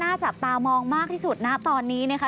จับตามองมากที่สุดนะตอนนี้นะคะ